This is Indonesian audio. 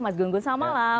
mas gun gun selamat malam